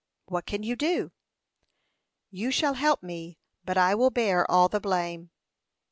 "What can you do?" "You shall help me, but I will bear all the blame."